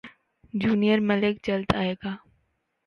junior Malik جلد ائے گا